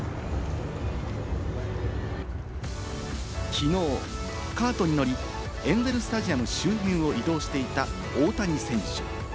きのう、カートに乗り、エンゼル・スタジアム周辺を移動していた大谷選手。